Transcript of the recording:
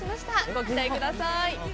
ご期待ください。